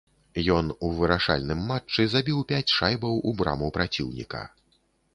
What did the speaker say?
Ён у вырашальным матчы забіў пяць шайбаў у браму праціўніка.